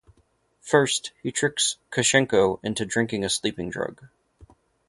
First, he tricks Kuchenko into drinking a sleeping drug.